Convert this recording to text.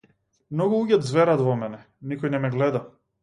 Многу луѓе ѕверат во мене, никој не ме гледа.